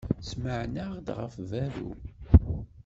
Smeɛneɣ-d ɣef berru.